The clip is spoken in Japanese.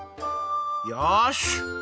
よし！